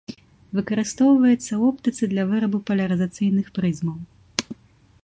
Выкарыстоўваецца ў оптыцы для вырабу палярызацыйных прызмаў.